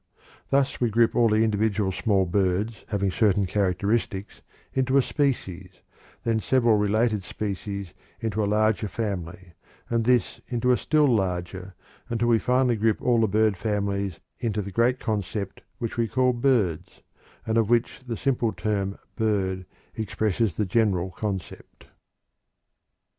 Thus we group all the individual small birds having certain characteristics into a species, then several related species into a larger family, and this into a still larger, until finally we group all the bird families into the great family which we call "birds" and of which the simple term "bird" expresses the general concept.